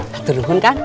tunggu dulu kang